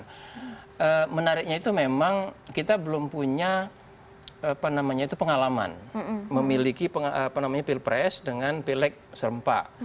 nah menariknya itu memang kita belum punya pengalaman memiliki pilpres dengan pilek serempak